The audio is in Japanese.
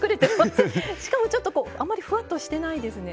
しかも、あまりふわっとしてないですね。